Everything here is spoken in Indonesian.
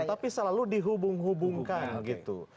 tapi selalu dihubung hubungkan gitu